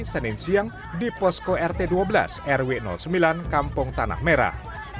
senin siang di posko rt dua belas rw sembilan kampung tanah merah